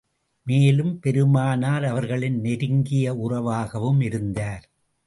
மேலும், பெருமானார் அவர்களின் நெருங்கிய உறவாகவும் இருந்தார்.